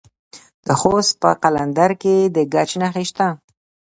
د خوست په قلندر کې د ګچ نښې شته.